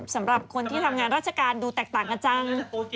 สำหรับคนที่ทำงานราชการดูแตกต่างกันจัง